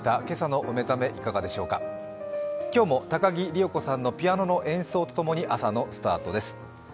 今朝のお目覚め、いかがでしょうか今日も高木里代子さんのピアノの演奏と共に朝のスタートです。